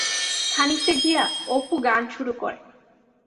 খানিকটা গিয়া অপু গান শুরু করে।